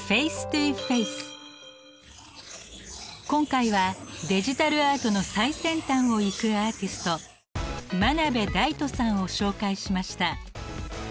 今回はデジタルアートの最先端を行くアーティスト真鍋大度さんを紹介しました。